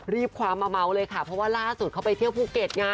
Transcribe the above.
ความมาเมาเลยค่ะเพราะว่าล่าสุดเขาไปเที่ยวภูเก็ตไง